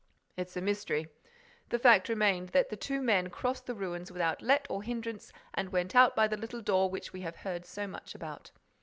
"It's a mystery. The fact remains that the two men crossed the ruins without let or hindrance and went out by the little door which we have heard so much about.